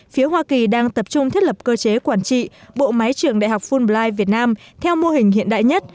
phía hoa kỳ đang tập trung thiết lập cơ chế quản trị bộ máy trường đại học fulblight việt nam theo mô hình hiện đại nhất